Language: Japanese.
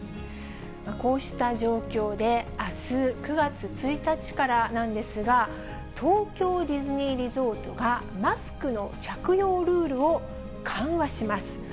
こうした状況で、あす９月１日からなんですが、東京ディズニーリゾートがマスクの着用ルールを緩和します。